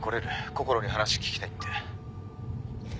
こころに話聞きたいって」